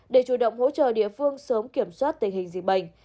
để chủ động hỗ trợ địa phương sớm kiểm soát tình hình dịch bệnh